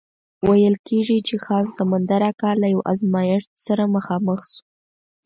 ویل کېږي چې خان سمندر اکا له یو ازمایښت سره مخامخ شو.